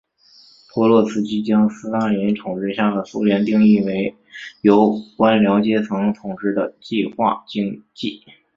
托洛茨基将斯大林统治下的苏联定义为由官僚阶层统治的计划经济。